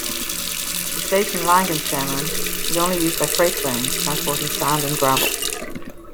The station Langenschemmern is only used by freight trains, transporting sand and gravel.